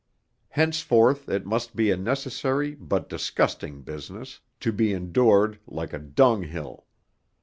Henceforth it must be a necessary but disgusting business, to be endured like a dung hill.